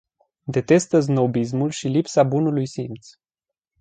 Detestă snobismul și lipsa bunului simț.